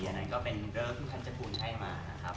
อันนั้นก็เป็นเริ่มพิพันธุ์จักรูลให้มานะครับ